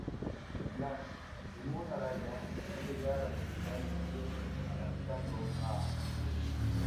El plan, según Araya, era llegar al hospital y salir arrancando a pie.